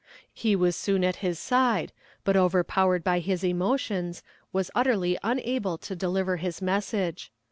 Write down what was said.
He was soon at his side, but overpowered by his emotions, was utterly unable to deliver his message.